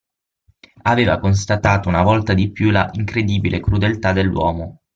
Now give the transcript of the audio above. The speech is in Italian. Aveva constatata una volta di piú la incredibile crudeltà dell'uomo.